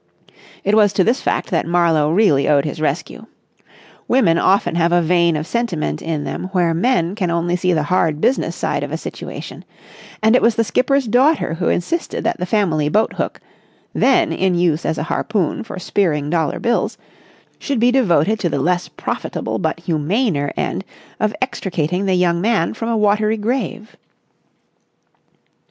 It was to this fact that Marlowe really owed his rescue. Women often have a vein of sentiment in them where men can only see the hard business side of a situation; and it was the skipper's daughter who insisted that the family boat hook, then in use as a harpoon for spearing dollar bills, should be devoted to the less profitable but humaner end of extricating the young man from a watery grave.